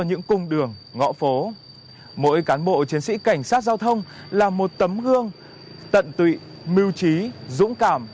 những cung đường ngõ phố mỗi cán bộ chiến sĩ cảnh sát giao thông là một tấm gương tận tụy mưu trí dũng cảm